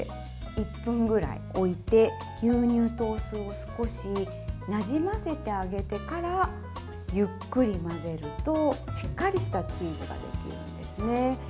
１分ぐらい置いて、牛乳とお酢を少しなじませてあげてからゆっくり混ぜるとしっかりしたチーズができるんですね。